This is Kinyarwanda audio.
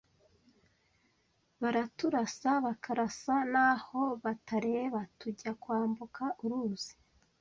bbaraturasa bakarasa n’aho batareba tujya kwambuka uruzi